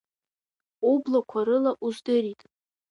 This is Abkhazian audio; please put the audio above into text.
Ублақәа рыла уздырит.